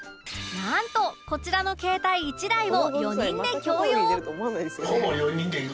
なんとこちらの携帯１台を４人で共用